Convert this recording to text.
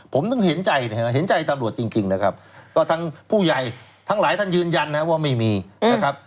ผมต้องเห็นใจนะครับเห็นใจตำรวจจริงนะครับก็ทั้งผู้ใหญ่ทั้งหลายท่านยืนยันนะครับว่าไม่มีนะครับ